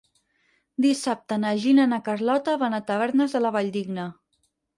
Dissabte na Gina i na Carlota van a Tavernes de la Valldigna.